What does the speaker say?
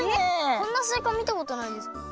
こんなすいかみたことないです。